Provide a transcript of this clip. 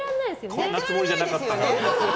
こんなつもりじゃなかったのに。